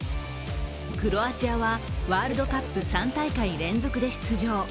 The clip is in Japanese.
クロアチアはワールドカップ３大会連続で出場。